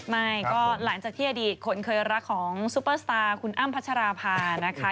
ไม่ก็หลังจากที่อดีตคนเคยรักของซูเปอร์สตาร์คุณอ้ำพัชราภานะคะ